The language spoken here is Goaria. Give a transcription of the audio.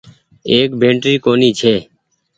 ايڪ بيٽري ڪونيٚ ڇي۔